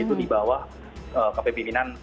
itu di bawah kpb minan